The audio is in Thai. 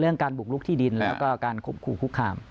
เรื่องการบุกลุกที่ดินรอยการคุมขู่คุกขาม